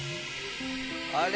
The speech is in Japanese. あれ？